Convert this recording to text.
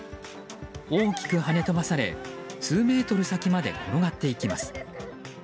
大きくはね飛ばされ数メートル先まで転がっていきます。